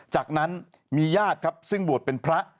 จากนั้นมีญาติครับซึ่งบวชเป็นพระ